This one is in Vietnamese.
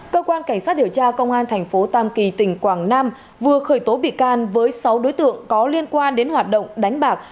cơ quan cảnh sát điều tra công an thành phố tam kỳ tỉnh quảng nam vừa khởi tố bị can với sáu đối tượng có liên quan đến hoạt động đánh bạc